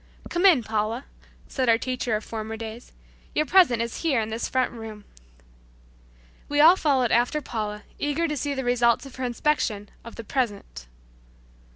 "Come in, Paula," said our teacher of former days. "Your present is in here in this front room." We all followed after Paula, eager to see the result of her inspection of the "present."